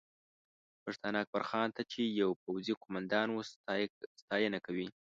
پښتانه اکبرخان ته چې یو پوځي قومندان و، ستاینه کوي